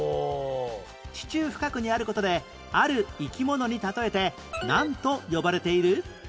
地中深くにある事である生き物に例えてなんと呼ばれている？